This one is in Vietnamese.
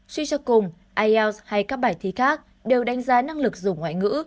suy cho cùng ielts hay các bài thi khác đều đánh giá năng lực dùng ngoại ngữ